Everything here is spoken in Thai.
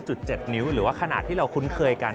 ๗นิ้วหรือว่าขนาดที่เราคุ้นเคยกัน